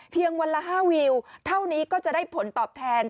เพียงวันละ๕วิวเท่านี้ก็จะได้ผลตอบแทน